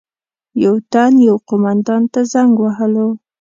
یو تن یو قومندان ته زنګ وهلو.